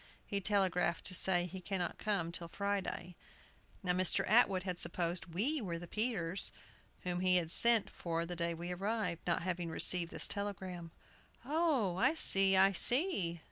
He telegraphed to say he cannot come till Friday. Now, Mr. Atwood had supposed we were the Peterses, whom he had sent for the day we arrived, not having received this telegram." "Oh, I see, I see!"